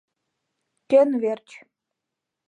Кӧн верч?